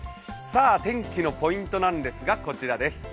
天気のポイントなんですがこちらです。